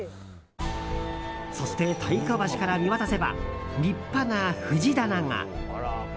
そして太鼓橋から見渡せば立派な藤棚が。